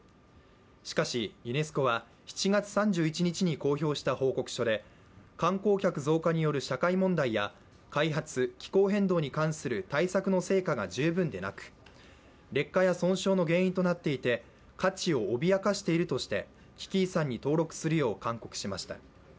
しかし、ユネスコは７月３１日に公表した報告書で観光客増加による社会問題や開発、気候変動に対する対策の成果が十分でなく劣化や損傷の原因となっていて価値を脅かしているとして危機遺産に登録するよう勧告しました。